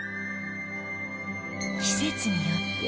季節によっては